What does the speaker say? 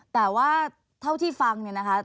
แต่ว่าเท่าที่ฟังเนี่ยนะคะ